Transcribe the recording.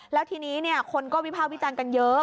แล้วทีนี้คนก็วิภาควิจารณ์กันเยอะ